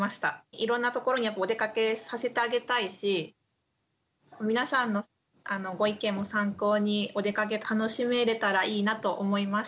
いろんな所におでかけさせてあげたいし皆さんのご意見も参考におでかけ楽しめれたらいいなと思いました。